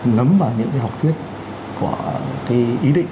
nấm vào những cái học thuyết của cái ý định